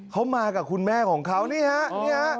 เขามากับคุณแม่ของเขานี่ฮะ